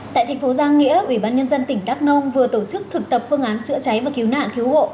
tại thành phố giang nghĩa ủy ban nhân dân tỉnh đắk nông vừa tổ chức thực tập phương án chữa cháy và cứu nạn cứu hộ